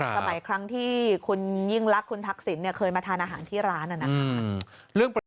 สมัยครั้งที่คุณหญิงรักคุณทักษิณเนี่ยเคยมาทานอาหารที่ร้านน่ะนะ